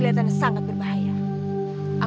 kita akan mencribarkan